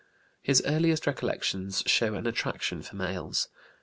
His earliest recollections show an attraction for males.